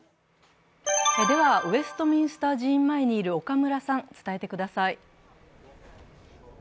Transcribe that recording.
ではウェストミンスター寺院前にいる岡村さん、伝えてください。